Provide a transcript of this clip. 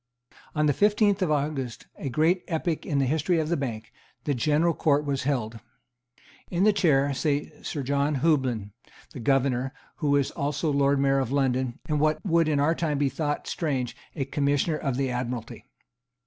On the fifteenth of August, a great epoch in the history of the Bank, the General Court was held. In the chair sate Sir John Houblon, the Governor, who was also Lord Mayor of London, and, what would in our time be thought strange, a Commissioner of the Admiralty.